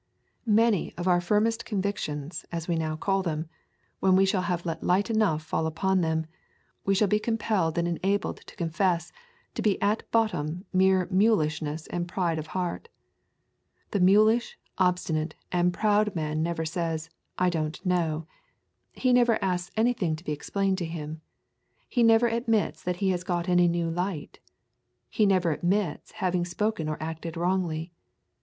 Many of our firmest convictions, as we now call them, when we shall have let light enough fall upon them, we shall be compelled and enabled to confess to be at bottom mere mulishness and pride of heart. The mulish, obstinate, and proud man never says, I don't know. He never asks anything to be explained to him. He never admits that he has got any new light. He never admits having spoken or acted wrongly.